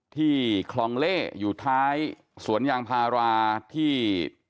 ที่คลองเล่อยู่ท้ายสวนยางพาราที่